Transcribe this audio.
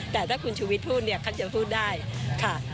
แต่ถ้าคุณชุวิตพูดเนี่ยเขาจะพูดได้ค่ะ